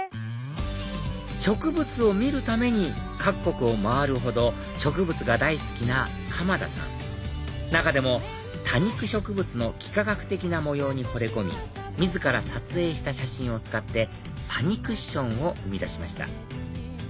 ⁉植物を見るために各国を回るほど植物が大好きな鎌田さん中でも多肉植物の幾何学的な模様にほれ込み自ら撮影した写真を使ってたにくっしょんを生み出しました